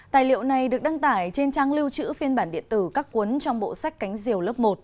tài liệu này được đăng tải trên trang lưu trữ phiên bản điện tử các cuốn trong bộ sách cánh diều lớp một